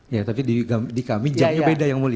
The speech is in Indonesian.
ya tapi di kami jamnya beda yang mulia